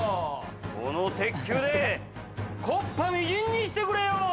この鉄球で木っ端みじんにしてくれよう！